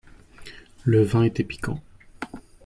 Le vin était piquant.